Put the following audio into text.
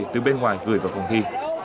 từ bên ngoài gửi vào phòng thi